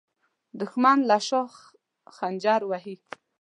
دښمن له شا خنجر وهي